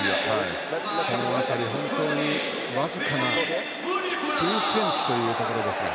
その辺り、僅かな数センチというところですが。